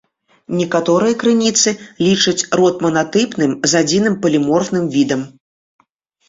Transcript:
Некаторыя крыніцы лічаць род манатыпным з адзіным паліморфным відам.